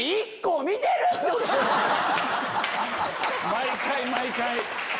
毎回毎回。